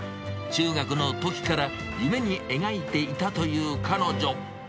中学のときから夢に描いていたという彼女。